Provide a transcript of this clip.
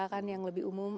kan yang lebih umum